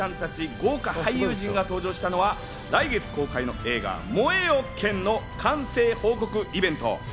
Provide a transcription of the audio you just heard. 豪華俳優陣が登場したのは来月公開の映画『燃えよ剣』の完成報告イベント。